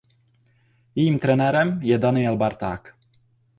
Jejím trenérem je Daniel Barták.